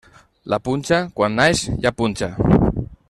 La punxa, quan naix, ja punxa.